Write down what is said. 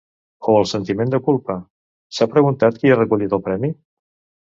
O el sentiment de culpa?, s’ha preguntat quan ha recollit el premi.